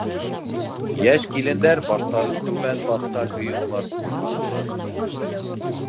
Йәш килендәр баштарын түбән баҫҡан көйө уларҙы тыңланылар.